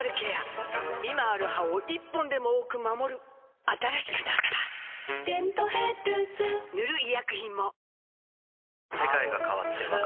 今ある歯を１本でも多く守る新しくなった「デントヘルス」塗る医薬品も